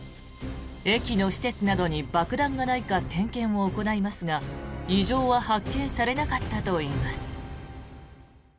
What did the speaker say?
駅の施設などに爆弾がないか点検を行いますが異常は発見されなかったといいます。